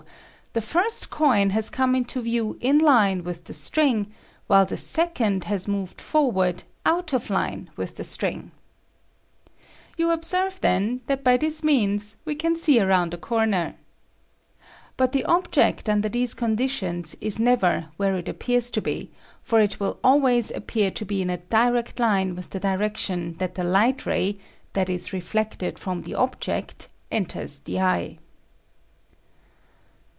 the first coin has come into view in line with the string, while the second has moved forward out of line with the string. You observe, tben, that by this means we can see around a corner. But the object under these conditions is never / i . Original from UNIVERSITY OF WISCONSIN 198 nature's /iMracles. where it appears to be, for it will always appear to be in a direct line with the direction that the light ray — that is reflected from the object — enters the eye.